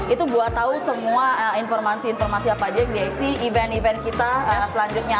itu buat tahu semua informasi informasi apa aja yang diisi event event kita selanjutnya